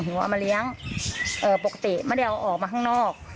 เอามาเลี้ยงปกติไม่ได้เอาออกมาข้างนอก